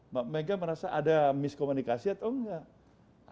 mbak mega merasa ada miskomunikasi atau enggak